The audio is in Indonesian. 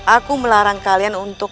aku melarang kalian untuk